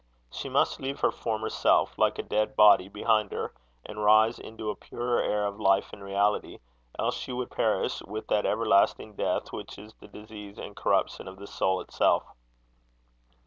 She must leave her former self, like a dead body, behind her, and rise into a purer air of life and reality, else she would perish with that everlasting death which is the disease and corruption of the soul itself.